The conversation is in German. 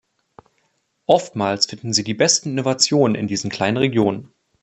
Oftmals finden Sie die besten Innovationen in diesen kleinen Regionen.